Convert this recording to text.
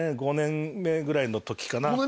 ５年目ぐらいの時かな